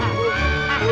jangan jangan jangan